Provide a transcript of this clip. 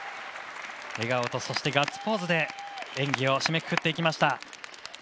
笑顔とガッツポーズで演技を締めくくっていきました。